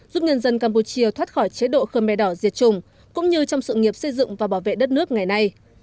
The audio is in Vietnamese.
giúp nhân dân campuchia thoát khỏi chế độ khơ me đỏ diệt trùng cũng như trong sự nghiệp xây dựng và bảo vệ đất nước ngày nay